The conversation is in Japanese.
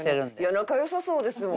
仲良さそうですもん。